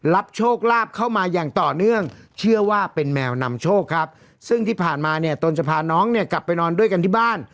โชคลาภเข้ามาอย่างต่อเนื่องเชื่อว่าเป็นแมวนำโชคครับซึ่งที่ผ่านมาเนี่ยตนจะพาน้องเนี่ยกลับไปนอนด้วยกันที่บ้าน